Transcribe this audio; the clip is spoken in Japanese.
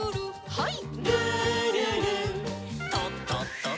はい。